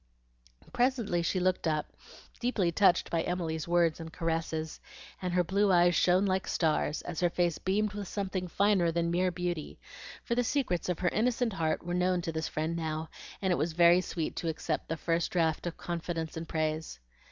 Presently she looked up, deeply touched by Emily's words and caresses, and her blue eyes shone like stars as her face beamed with something finer than mere beauty, for the secrets of her innocent heart were known to this friend now, and it was very sweet to accept the first draught of confidence and praise.